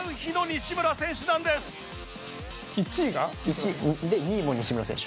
１位。で２位も西村選手。